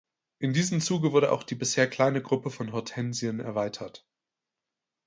In diesem Zuge wurde auch die bisher kleine Gruppe von Hortensien erweitert.